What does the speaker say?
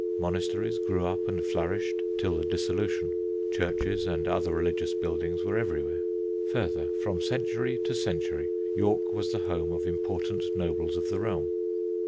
Monasteries grew up and flourished till the Dissolution; churches and other religious buildings were everywhere. Further, from century to century, York was the home of important nobles of the realm.